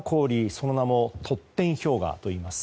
その名もトッテン氷河といいます。